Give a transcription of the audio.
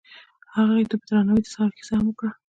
هغه هغې ته په درناوي د سهار کیسه هم وکړه.